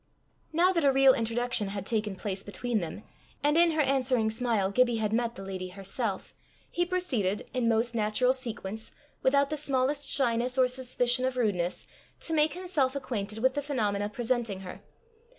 Now that a real introduction had taken place between them, and in her answering smile Gibbie had met the lady herself, he proceeded, in most natural sequence, without the smallest shyness or suspicion of rudeness, to make himself acquainted with the phenomena presenting her.